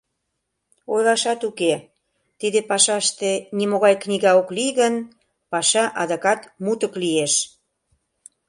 Ойлашат уке: тиде пашаште нимогай книга ок лий гын, паша адакат мутык лиеш.